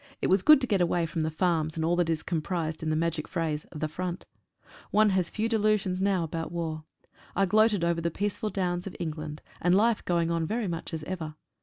It was good to get away from the farms and all that is com prised in that magic phrase, "The Front." One has few delusions now about war. I gloated over the peaceful downs of England, and life going on very much as ever.